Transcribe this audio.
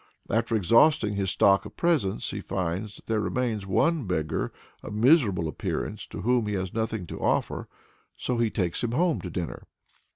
After exhausting his stock of presents, he finds that there remains one beggar of miserable appearance to whom he has nothing to offer, so he takes him home to dinner.